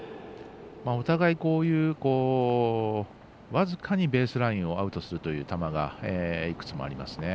お互い、こういう僅かにベースラインをアウトするという球がいくつもありますね。